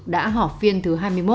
đã họp phiên thứ hai mươi một